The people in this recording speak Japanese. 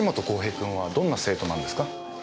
公平君はどんな生徒なんですか？